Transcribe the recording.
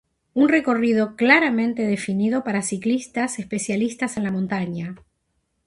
Un recorrido claramente definido para ciclistas especialistas en la montaña.